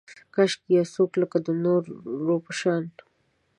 کاشکي یو څوک لکه، د نورو په شان